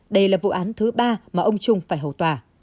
đây là vụ án thứ ba mà ông trung phải hầu tòa